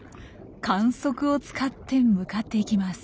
管足を使って向かっていきます。